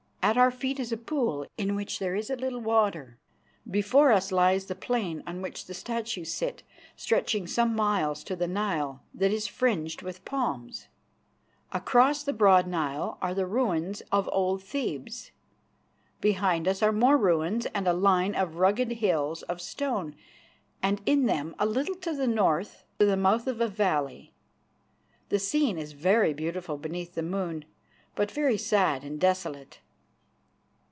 At our feet is a pool in which there is a little water. Before us lies the plain on which the statues sit, stretching some miles to the Nile, that is fringed with palms. Across the broad Nile are the ruins of old Thebes. Behind us are more ruins and a line of rugged hills of stone, and in them, a little to the north, the mouth of a valley. The scene is very beautiful beneath the moon, but very sad and desolate."